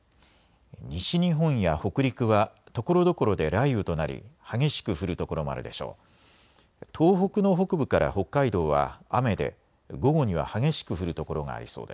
西日本や北陸はところどころで雷雨となり激しく降る所もあるでしょう。